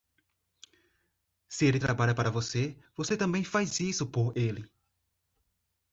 Se ele trabalha para você, você também faz isso por ele.